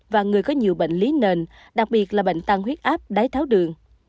và người có nhiều bệnh lý nền đặc biệt là bệnh tăng huyết áp đái tháo đường